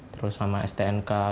terus sama stnk